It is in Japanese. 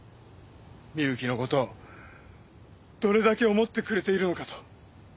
深雪のことをどれだけ思ってくれているのかと。